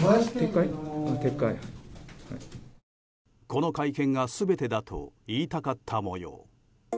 この会見が全てだと言いたかった模様。